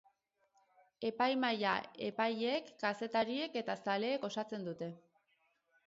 Epaimahaia, epaileek, kazetariek eta zaleek osatzen dute.